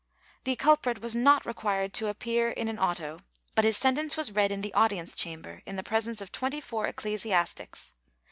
The culprit was not required to appear in an auto, but his sentence was read in the audience chaml^er, in the presence of twenty four ecclesiastics.